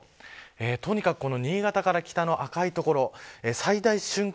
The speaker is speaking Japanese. とにかく新潟から北、この赤い所最大瞬間